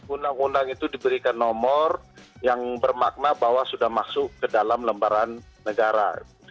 undang undang itu diberikan nomor yang bermakna bahwa sudah masuk ke dalam lembaran negara